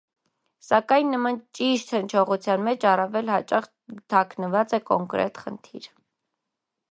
Սակայն, նման «ճիշտ» հնչողության մեջ առավել հաճախ թաքնված է կոնկրետ խնդիր։